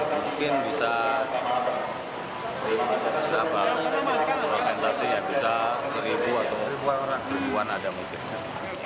mungkin bisa presentasinya bisa seribu atau ribuan ada mungkin